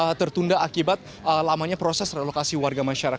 yang tertunda akibat lamanya proses relokasi warga masyarakat